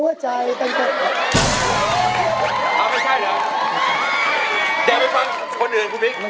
แดกไปฟังคนอื่นคุณพลิก